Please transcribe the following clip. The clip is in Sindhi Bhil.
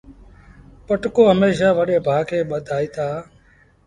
پٽڪو هميشآ وڏي ڀآ کي ٻڌآئيٚتآ۔